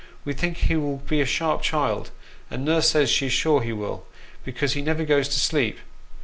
Wo think he will be a sharp child ; and nurse says she's sure he will, because he never goes to sleep.